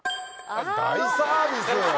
大サービス！